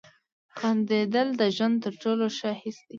• خندېدل د ژوند تر ټولو ښه حس دی.